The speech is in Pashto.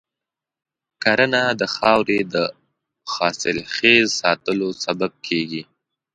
کرنه د خاورې د حاصلخیز ساتلو سبب کېږي.